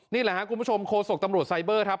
นี่แหละครับคุณผู้ชมโคศกตำรวจไซเบอร์ครับ